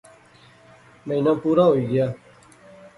مہینہ پورا ہوئی گیا